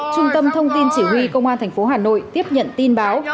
trung tâm thông tin chỉ huy công an tp hcm tiếp nhận tin báo